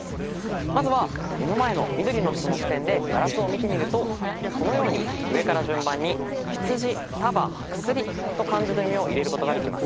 まずは目の前の緑の人の視点でガラスを見てみるとこのように上から順番に「ひつじ」「たば」「くすり」と漢字の読みを入れることができます。